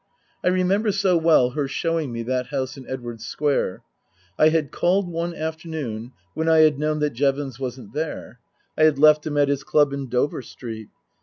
I remember so well her showing me that house in Edwardes Square. I had called one afternoon when I had known that Jevons wasn't there. I had left him at his club in Dover Street.